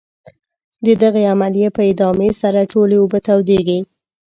د دغې عملیې په ادامې سره ټولې اوبه تودیږي.